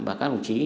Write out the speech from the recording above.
và các đồng chí